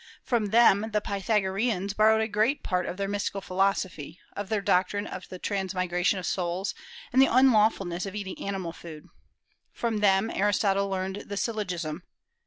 From them the Pythagoreans borrowed a great part of their mystical philosophy, of their doctrine of transmigration of souls, and the unlawfulness of eating animal food. From them Aristotle learned the syllogism....